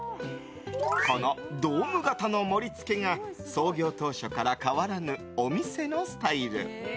このドーム形の盛り付けが創業当初から変わらぬお店のスタイル。